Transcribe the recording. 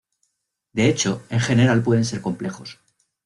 De hecho, en general pueden ser complejos.